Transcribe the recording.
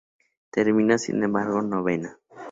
Terminó, sin embargo, novena.